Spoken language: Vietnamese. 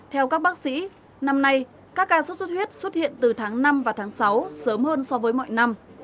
theo các bác sĩ năm nay các ca sốt xuất huyết xuất hiện từ tháng năm và tháng sáu sớm hơn so với mọi năm